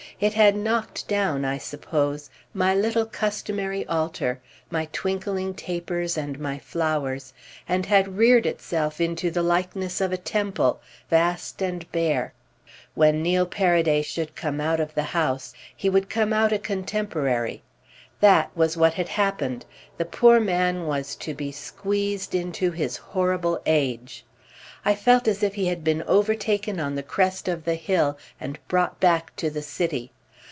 It had knocked down, I suppose, my little customary altar, my twinkling tapers and my flowers, and had reared itself into the likeness of a temple vast and bare. When Neil Paraday should come out of the house he would come out a contemporary. That was what had happened: the poor man was to be squeezed into his horrible age. I felt as if he had been overtaken on the crest of the hill and brought back to the city.